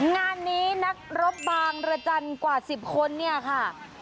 งานนี้นักรบบางรจันทร์กว่า๑๐คนเนี่ยค่ะ